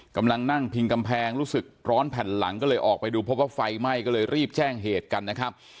กำลังนั่งพิงกำแพงรู้สึกร้อนแผ่นหลังก็เลยออกไปดูพบว่าไฟไหม้ก็เลยรีบแจ้งเหตุกันนะครับ